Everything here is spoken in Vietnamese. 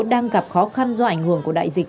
đang gặp khó khăn do ảnh hưởng của đại dịch